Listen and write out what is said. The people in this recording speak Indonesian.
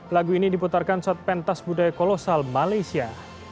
lagu ini diputarkan saat pentas budaya kolosal malaysia